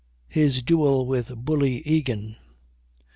HIS DUEL WITH BULLY EGAN.